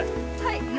はい。